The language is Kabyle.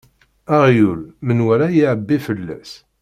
Aɣyul, menwala iɛebbi fell-as.